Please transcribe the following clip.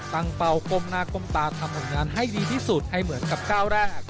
เป้าก้มหน้าก้มตาทำผลงานให้ดีที่สุดให้เหมือนกับก้าวแรก